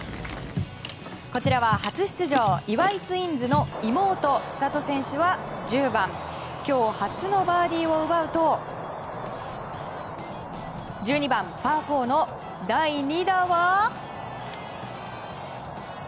こちらは初出場岩井ツインズの妹・千怜選手は１０番今日初のバーディーを奪うと１２番、パー４の第２打は。